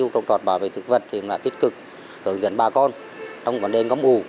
trong trọt bảo vệ thực vật thì cũng là tích cực hướng dẫn bà con trong vấn đề ngóng ủ